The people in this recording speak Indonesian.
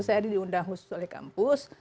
saya diundang khusus oleh kampus